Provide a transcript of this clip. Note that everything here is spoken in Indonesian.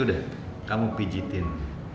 yaudah kamu pijitin